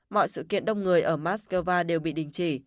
mọi sự kiện đông người ở moscow đều bị đình chỉ